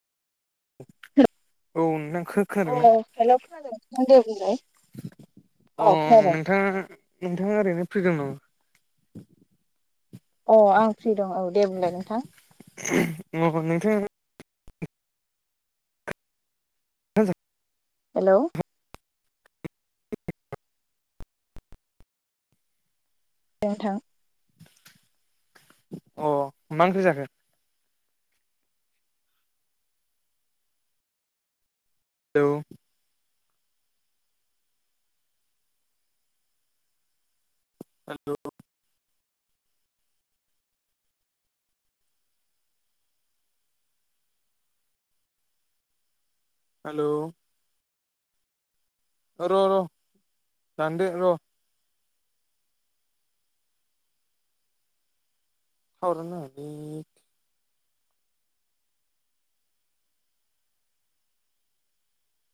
औ नोंथां [unintelligible] औ खादोंना? हेल' खोनादों नोंथां दे बुंलाय अ औ खोनादों नोंथाङा नोंथाङा ओरैनो फ्रि दं नामा? अ आं फ्रि दं औ दे बुंलाय नोंथां। [unintelligible] [unintelligible] हेल'। नोंथां। अ मा ओंख्रि जाखो? हेल'। हेल'। हेल'? र' र' दानदो र'। थावारानो नाङालै।